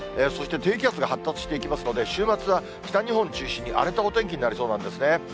そして、低気圧が発達していきますので、週末は北日本中心に荒れたお天気になりそうなんですね。